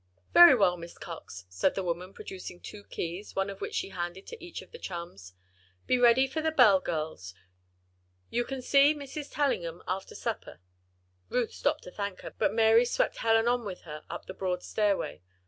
"Very well, Miss Cox," said the woman, producing two keys, one of which she handed to each of the chums. "Be ready for the bell, girls. You can see Mrs. Tellingham after supper." Ruth stopped to thank her, but Mary swept Helen on with her up the broad stairway.